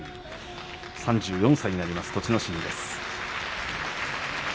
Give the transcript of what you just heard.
３４歳になる栃ノ心です。